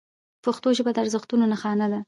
پښتو ژبه د ارزښتونو نښانه ده.